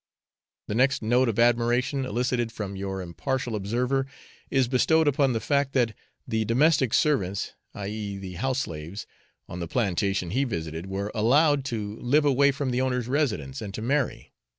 The next note of admiration elicited from your 'impartial observer' is bestowed upon the fact that the domestic servants (i.e. house slaves) on the plantation he visited were allowed to live away from the owner's residence, and to marry.